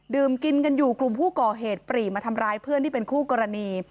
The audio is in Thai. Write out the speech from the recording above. กินกันอยู่กลุ่มผู้ก่อเหตุปรีมาทำร้ายเพื่อนที่เป็นคู่กรณี